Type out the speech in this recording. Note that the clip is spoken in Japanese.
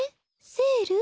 セール？